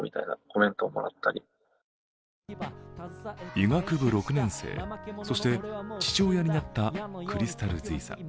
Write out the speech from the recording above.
医学部６年生、そして父親になったｃｒｙｓｔａｌ−ｚさん。